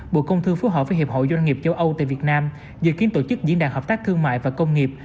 bộ công thương phối hợp với hiệp hội doanh nghiệp châu âu tại việt nam dự kiến tổ chức diễn đàn hợp tác thương mại và công nghiệp